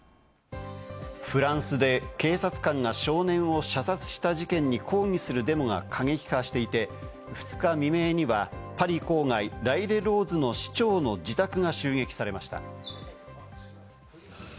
フランスで警察官が少年を射殺した事件に抗議するデモが過激化していて、２日未明にはパリ郊外・ライレローズの市長の自宅が襲撃されました。